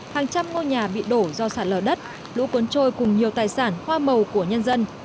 hàng trăm ngôi nhà bị đổ do sạt lở đất lũ cuốn trôi cùng nhiều tài sản hoa màu của nhân dân